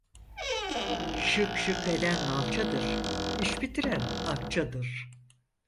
Şık şık eden nalçadır, iş bitiren akçadır.